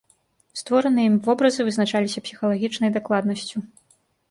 Створаныя ім вобразы вызначаліся псіхалагічнай дакладнасцю.